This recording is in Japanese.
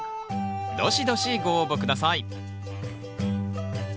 どしどしご応募下さい。